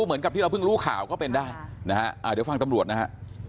เหมือนกับที่เราเพิ่งรู้ข่าวก็เป็นได้นะฮะเดี๋ยวฟังตำรวจนะฮะ